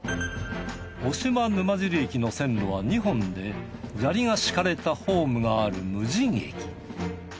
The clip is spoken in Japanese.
渡島沼尻駅の線路は２本で砂利が敷かれたホームがある無人駅。